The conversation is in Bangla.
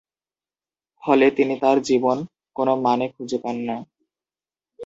ফলে তিনি তার জীবন কোন মানে খুঁজে পান না।